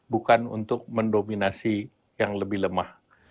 bukan untuk mendominasi yang lebih lemah